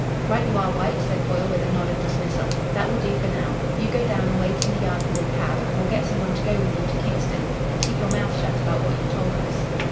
"Right you are, White," said Foyle with a nod of dismissal. "That will do for now. You go down and wait in the yard with your cab, and we'll get some one to go with you to Kingston. And keep your mouth shut about what you've told us."